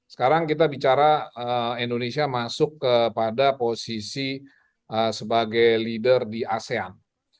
sekarang kita bicara indonesia masuk kepada posisi sebagai leader di asean